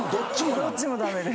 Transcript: どっちもダメで。